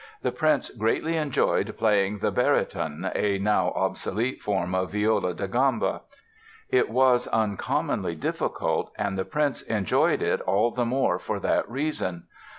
The prince greatly enjoyed playing the baryton, a now obsolete form of viola da gamba. It was uncommonly difficult and the Prince enjoyed it all the more for that reason.